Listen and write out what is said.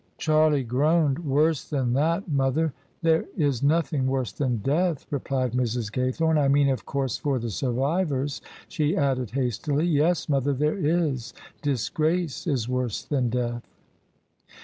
Charlie groaned :" Worse than that, mother." " There is nothing worse than death," replied Mrs. Gay thome. " I mean, of course, for the survivors," she added, hastily. "Yes, mother, there is: disgrace is worse than death."